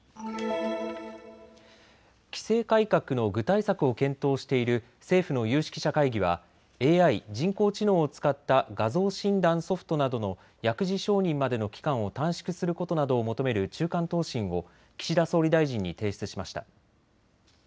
規制改革の具体策を検討している政府の有識者会議はＡＩ・人工知能を使った画像診断ソフトなどの薬事承認までの期間を短縮することなどを求める中間答申を岸田総理大臣に提出しました。